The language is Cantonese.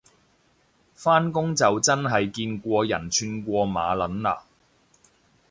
返工就真係見過人串過馬撚嘞